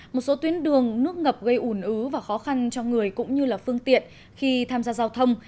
một số tuyến đường nước ngập gây ủn ứ và khó khăn cho người cũng như là phương tiện khi tham gia giao thông